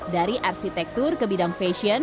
dari arsitektur ke bidang fashion